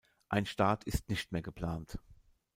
Ein Start ist nicht mehr geplant.